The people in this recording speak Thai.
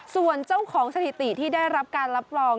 ส่วนเจ้าของสถิติที่ได้รับการรับรอง